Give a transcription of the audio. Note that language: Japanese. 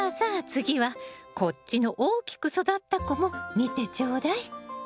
次はこっちの大きく育った子も見てちょうだい。